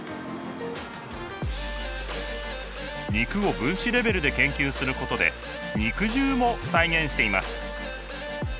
肉を分子レベルで研究することで肉汁も再現しています。